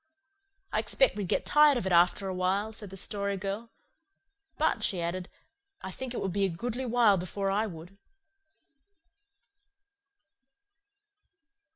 "I expect we'd get tired of it after awhile," said the Story Girl. "But," she added, "I think it would be a goodly while before I would."